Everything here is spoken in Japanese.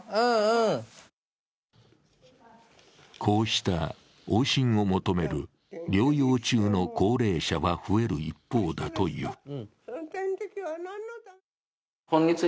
こうした往診を求める療養中の高齢者は増える一方だという。